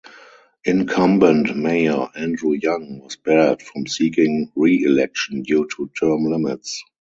Incumbent mayor Andrew Young was barred from seeking reelection due to term limits.